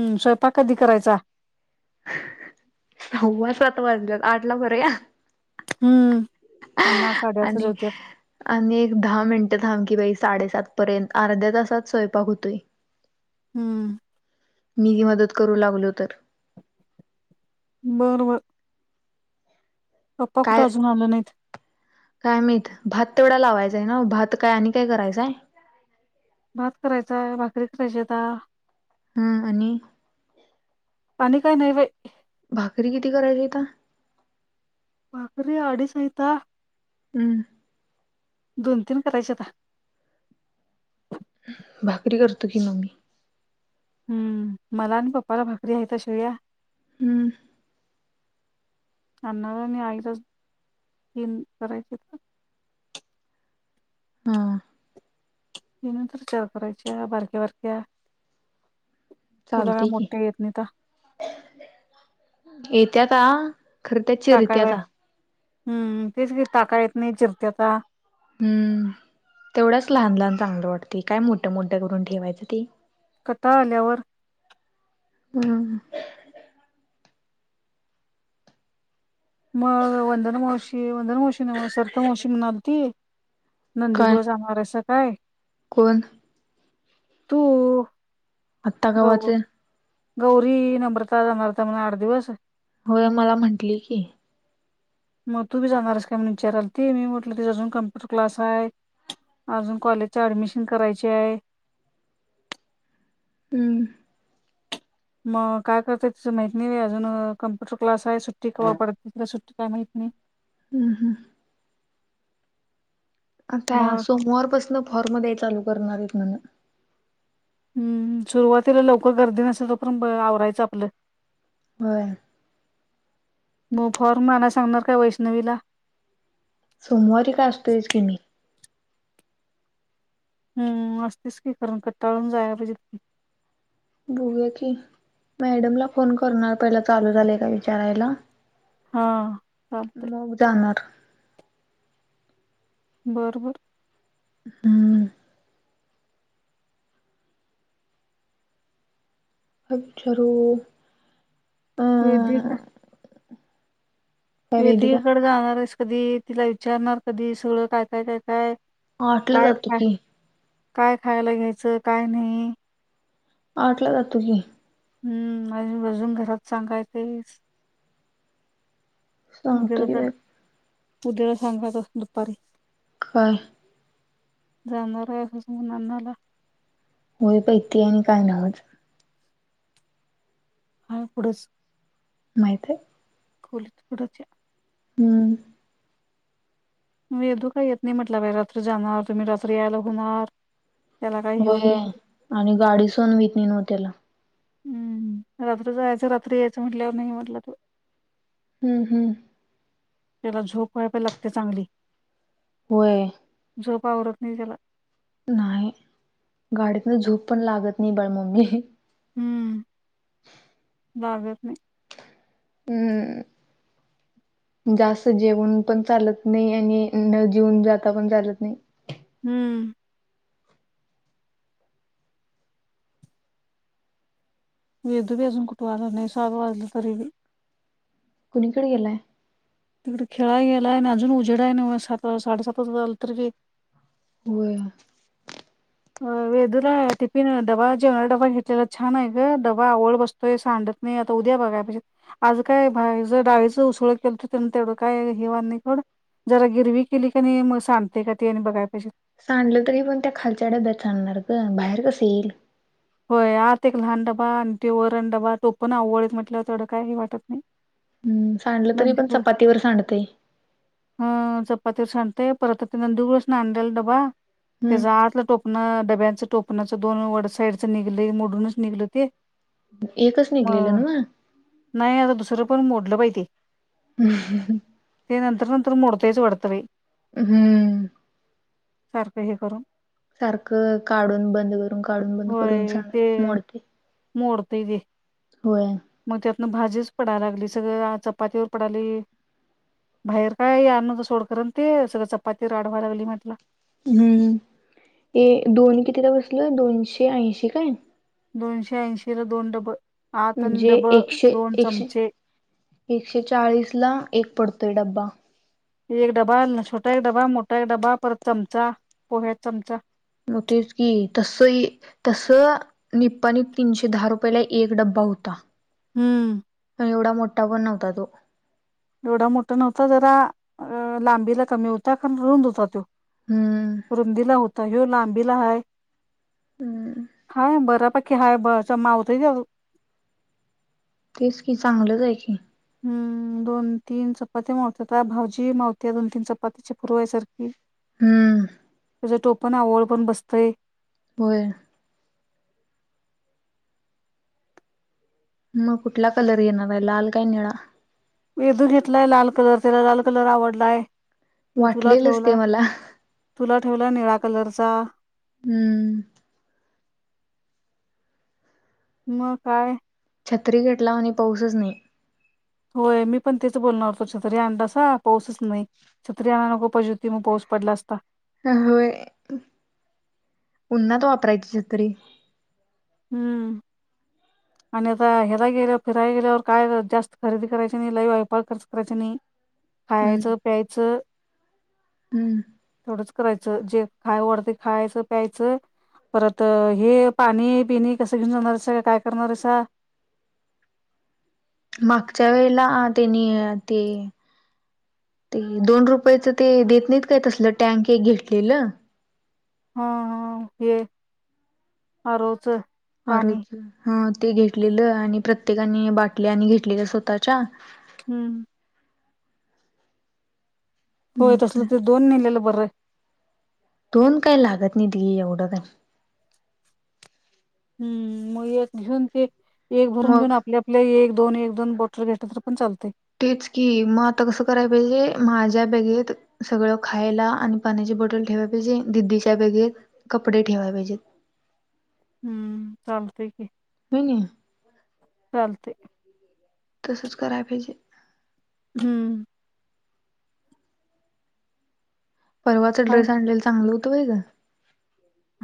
हम् स्वयंपाक कधी करायचा? सव्वा सात वाजल्यात आठला करुया. हम्म. अण्णा आणि जेवत्यात. आणि एक दहा मिनटं थांब की कि बाई साडेसात पर्यंत अर्ध्या तासात स्वयंपाक होतोय. हम्म, मीही मदत करू लागलो तर बर‌, बर काय आले नाहीत. काय माहीत भात तेवढा लावायचा भात काय आणि काय करायचं हाय भात करायचाय भाकरी करायची हाईता हा आणि आणि काय नाही बाई भाकरी किती करायची हाईता भाकरी अडीच हाईता हम्म. दोन तीन करायचा आता भाकरी करतो की म मी हम्म मला आणि पप्पाला भाकरी आहेता शिळ्या हम्म अण्णाला मी आईलास कन करायचे तर हा तनंतर चार करायच्या बारक्या बारक्या चालतय की ठीक आहे त्याता खर त्या चिरित्या टाकायला आहे. ता हम्म तेच टाका येत नाही चिरत्या ता हम्म तेवढाच लहान, लहान चांगलं वाटत काय मोठ्या मोठ्या करून ठेवायचं ती कथा आल्यावर हम मग वंदना मावशी वंदना मावशी सरिता मावशी म्हनायलती काय नंदीकुळ जाणार असं काय कोण? तू, आत्ता गौ कावाचे. गौरी, नम्रता [unintelligible] आठ दिवस. होय मला म्हटली की, मग तू बी जाणारस काय म्हने विचारा आलथी. मी म्हटल तीच अजून कम्प्युटर क्लास आहे. अजून कॉलेज ऍडमिशन करायचे आहे. हम्म. मग काय करते तिच माहिती नाही. अजून कम्प्युटर क्लास आहे. सुट्टी कवा पडते [unintelligible] सुट्टी माहि हम्म हम्म. आता मग सोमवारपासून फॉर्मध्येध्ये चालू करणार आहेत म्हण हम्म सुरुवातीला लवकर गर्दी नसेल तर पण आवरायच आपल. हो मफॉर्म माना सांगणार का? वैष्णवीला. सोमवारी का [unintelligible] कि नाही हम्म असतेस की खर कट्टाळून जायला पाहिजेत की, बघ की मॅडमला फोन करणार पहिला चालू झालेय का विचारायला. हा चालतंय मग जाणार. बरोबर. हम्म. अ विचारू वेदिक, अं काय वेदिका वेदीकडे जाणार आहेस. कधी तिला विचारणार कधी सगळ काय काय काय काय. आठला काय जातो खाय की, काय खायला घ्यायच काय नाही. आठला जातो की, हम्म अजून, अजून घरात सांगायेतस. सांगतोर जा बा. उद्याला सांगा त दुपारी. काय? जाणार आहे अस अन्नाला. [unintelligible] हा पुढंच. माहीत हे. [unintelligible] हम्म. [unintelligible] का येत नाही म्हटला बा रात्री जाणार तुम्ही रात्री यायला होणार त्याला काही हे होत होय नाही आणि गाडी सहन होत नाही तेला. हम्म रात्री जायच रात्री यायच म्हटल्यावर नाही म्हटलं तो. हम्म हम्म.. त्याला झोप व्हायला पण लागत्या चांगली. होय. झोप आवरत नाही त्याला. नाही गाडीतन झोप पण लागत नाही. बर ममी, हम्म [inaudible] लागत नाही. हा हा.. जास्त जेवण पण चालत नाही, आणि न जेऊन जाता पण चालत नाही. हम्म वेदु पण अजून कुठे आला नाही. सात वाजल तरीबी. कुणीकडे गेलाय. तिकडे खेळा गेलाय. आणि अजून उजेड आहे नव्ह सात साडेसात वाजत आलं तरी बी. होय. वेदूला टिफिन डबा जेवणा डबा घेतलेला छान आहे ग. डबा आवळ बसतोय सांडत नाही आता उद्या बघाय पाहिजे, आज काय भा ज डाळीचं उसळ केलतं, तेवढं काय ही व्हाल नाही सोड. जरा गिरवी केली का नाही, म सांडतंय का ती आणि बघाय पाहिजे. सांडलं तरी पण त्या खालच्या डब्यात सांडणार गं, बाहेर कसं येईल? होय, आत एक लहान डबा आणि ते वर आणि डबा तो पण आव्वळ हायत म्हटल्यावर तेवढं काय ही वाटत नाही. हम्म, सांडलं तरी पण नंदीकुळ चपातीवर सांडतंय. हा चपातीवर सांडतंय, परत आता ते नंदु पसनं आणलेला डबा तेज आतलं टोप न डब्याचं टोपणाचं दोन वड साईडचं निघलय मोडूनच निघलं ते. एकच म, निघलेलं नव्ह? नाही आता दुस र पण मोडलं बाई ते, ते नंतर नंतर मोडतयच वाटतं बाई. हम्म सारखं हे करून. सारखं काढून बंद करून काढून बंद करून होय सांगा ते मोडतंय. मोडतय ते. होय. अन भाजीच पडायला लागली सगळं आ चपातीवर पडाली. बाहेर काय आलं नव्हतं सोड, खरं ते सगळं चपाती राड व्हाय लागली म्हटलं. हम्म, ए दोन कितीला बसलं, दोनशे ऐंशी काय? दोनशे ऐंशीला दोन डबं. म्हणजे एकशे एकशे एकशे चाळीस ला एक पड तोय डब्बा. एक डबा छोटा एक डबा मोठा एक डबा परत चमचा पोह्याचा चमचा. मग तेच की, तसं इ तसं निप्पानीत तीनशे दहा रुपयला एक डब्बा. होता. हम्म. एवढा मोठा पण नव्हता तो. एवढा मोठा नव्हता जरा अ लांबीला कमी होता, कारण रुंद होता तो. हम्म रुंदीला होता ह्यू लांबीला हाय. हाय बऱ्यापैकी हाय बच मावतय. तेच कि चांगलंच आहे की. हम्म, दोन तीन चपात्या मावत्यात भाजी मावती दोन तीन चपात्याची पुरवाय सार खी हम्म त्याज टोपण आवळ पण बसतंय. होय. मग कुठला कलर घेणार आहे लाल काय निळा? वेधू घेतलाय लाल कलर, त्याला लाल कलर आवडलाय. मग तुला वाटलेलच ते ठेवला मला तुला ठेवला निळा कलरचा. हम्म. मग काय? छत्री घेतला आणि पाऊसच नाही. होय, मी पण तेच बोलणार होतो, छत्री आणलासा पाऊसच नाही, छत्री आणु नको पाहिजे होती मग पाऊस पडला असता. होय, उन्नात वापरायची छत्री. हम्म आणि आता ह्याला गेल्यावर फिरायला गेल्यावर काय जास्त खरेदी करायची नाही, लय वायफळ खर्च करायची नाही. हम्म खायचं, प्यायचं. हम्म तेवढंच करायचं, जे खाय वाटतंय खायचं प्यायचं. परत हे पाणी पिणी कसं घेऊन जाणार सगळं काय? करणारे सा. मागच्या वेळेला त्यांनी ते - ते दोन रुपयाच ते देत नाहीत काय तसलं टँक एक घेतलेलं.. हा हा ये आ रोजच.. आरोजच ह ते घेतलेलं आणि प्रत्येकानी बाटल्या आणि घेतलेल्या स्वतःच्या - हं! होय मग काय तसलं ते दोन नेलेलं बरं. दोन काय लागत नाही ती एवढं का. हं मग एक घेऊन ते एक भरून घेऊन मग आपल्या आपल्या एक - दोन, एक, दोन बॉटल घेतलो तरी पण चालतय. तेच की मग आता कसं करायला पाहिजे, माझ्या बॅगेत सगळं खायला आणि पाण्याच्या बॉटल ठेवायलाच पाहिजे दिदीच्या बॅगेत कपडे ठेवायला पाहिजेत. हं चालतय कि होय नाही चालतय. तसच करायला पाहिजे. हं परवाचा काय ड्रेस आणलेला चांगलं होतं होय ग?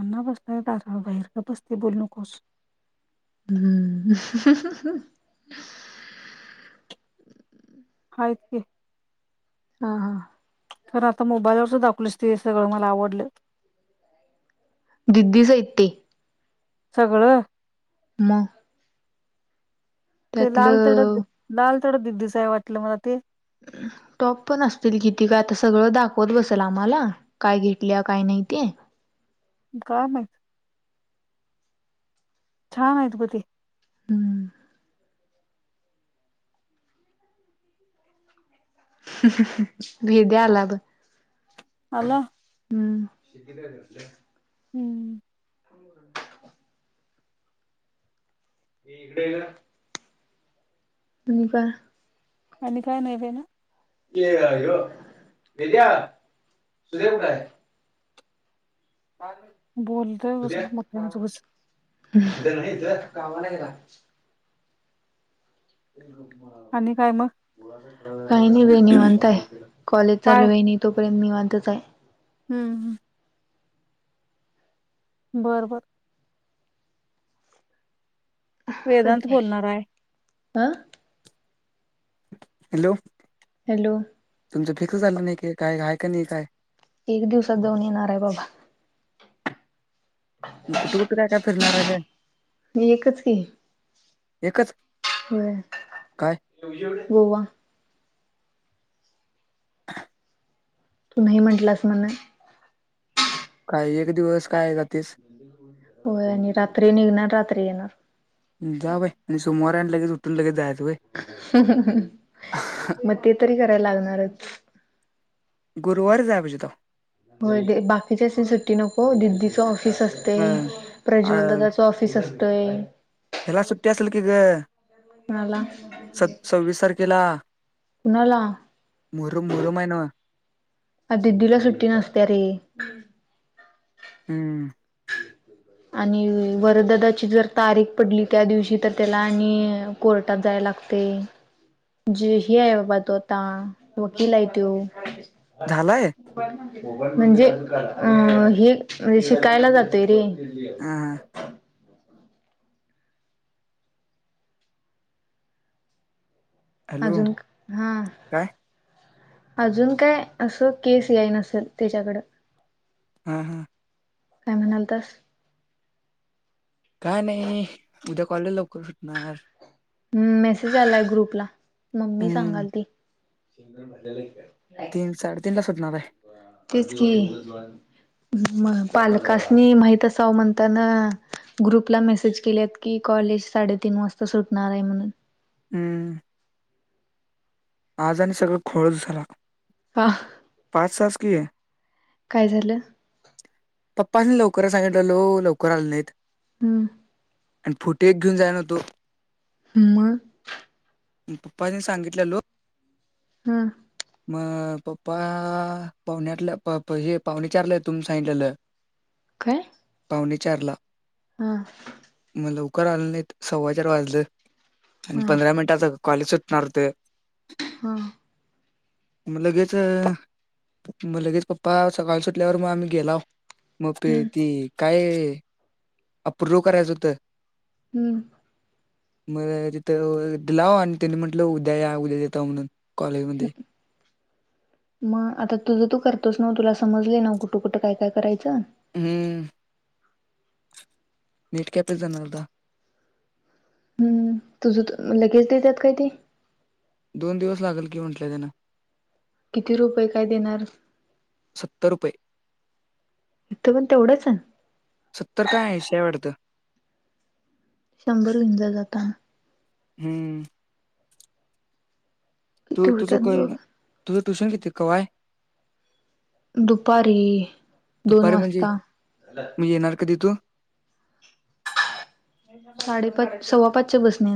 अण्णा बसणार दारा बाहेर ते बसलेत बोल नकोस! हंअहंह हा इतके हा हा. कारण आता मोबाईलवरच दाखवलीस ते सगळं मला आवडलेत. दिदी सहित ती. सगळं मअ ते लाल तेवढ लाल तेवढ दिदिचय वाटलं मला ते. टॉप पण असतील किती काय? आता सगळं दाखवत बसेल आम्हाला काय? घेतल्या काय नाही. माहिती काम आहेत. छान आहेत ग ते. हं! भिद्या आला बघ आला. हं हं ए इकडे य ग. आणि काय आणि काय नाही ये ना ये भेद्या सुदेव काय बोलत कस मोठ्या मुक्यानच नाही तर कामाला आणि काय मग ह काही नाही बहिणी म्हणताय कॉलेज चाल काय वहिणी तो निवांतच आहे हम्म हम्म बरं बर वेदांत बोलणार आहे आ हॅलो हॅलो तुमचं फीक्स झालं नाही की काय आहेय का नाही काय एक दिवसात दोन येणार आहे बाबा ह मी एकच की एकच होय काय गोवा तू नाही म्हंटलास म्हण काही एक दिवस काय जातेस हो आणि रात्री निघणार रात्री येणार जा बाय आणि सोमवार आणि लगेच उठून लगेच जायच मग ते तरी करायला लागणारच गुरुवार जाय पाहिजे होत हो बाकीच्या सुट्टी नको दिदीच असते तवा प्रज्वल ददाच ऑफिस असत हला सुट्टी असल की ग कुणाला स सव्वीस तारखेला कुणाला मुरुम मुरुम आहे ना अ दिदीला सुट्टी नसते रे हम्म आणि वरददाची जर तारीख पडली त्या दिवशी तर त्याला आणि कोर्टात जायला लागते जे हे आहे बाबा तो आता वकील आहे तो अ झालाय म्हणजे अं हे म्हणजे शिकायला जातोय रे हा हा [inaudible] हॅलो अजून हा काय अजून काय असं केस याय नसेल त्याच्याकडं हम् हम् काय म्हणाल तस काय नाही उद्या कॉलेज लवकर सुटणार हम् मेसेज आलाय ग्रुपला मम्मी हम्म सांगाल ती तीन साडे तीनला तेच की मग पालकासनी माहित असावं म्हणताना ग्रुपला मेसेज केलेत की कॉलेज साडेतीन वाजता सुटणार आहे म्हणून हम्म आज आणि सगळं घोळच झाला हा पाच तास कि आहे काय झालं पप्पसनी लवकर सांगितल्यालो लवकर आल नाहीत. हम. आणि फुटी एक घेऊन जाय ना तो. मग. पप्पानी सांगितल्यालो. हम्. मग पप्पा पावणे आठल्या प् हे पाहुणे चारला येतो म्हणून सांगल्याल. काय. पाणेचारला. हा. लवकर आलं नाही सव्वा चार वाजलं आणि हा पंधरा मिनिटाच कॉलेज सुटणार होत. हा. म लगेच, म लगेच पप्पा सकाळी सुटल्यावर मग आम्ही गेलाव. मग हम्म ती काय, अँप्रू करायचं होत. हम्म. मला तिथं दिलाव आणि तिने म्हंटलं उद्या या उद्या देत म्हणून. कॉलेजमध्ये. मग आता तुझं तू करतोस नाव तुला समजले नव कुठु कुठं काय काय करायचं. हम्म. नीटकॅप जाणारता आता. हम्म तुझ लगेच देतात काय ते. दोन दिवस लागेल की म्हंटलं त्यान. किती रुपये काय देणार. सत्तर रुपये. इथं पण तेवढंच आहे सत्तर का एंशी हाय वाडतं. शंभर घेऊन जा जाताना. हम्म. किती तू तुझं होत्यात काय बघ तुझं ट्युशन किती कवाय. दुपारी दोन दुपारी म्हणजे वाजता. मग येणार कधी तू? साडेपाच सव्वा पाच बसणे.